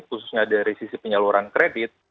khususnya dari sisi penyaluran kredit